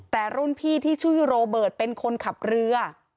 แต่รุ่นพี่ที่ชื่อโรเบิร์ตเป็นคนขับเรือ